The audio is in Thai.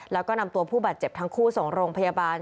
แล้วก็นำตัวผู้บาดเจ็บทั้งคู่ส่งโรงพยาบาล